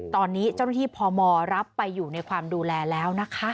ตอนนี้เจ้าหน้าที่พมรับไปอยู่ในความดูแลแล้วนะคะ